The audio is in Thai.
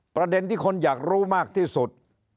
ประเด็นที่คนอยากรู้มากที่สุด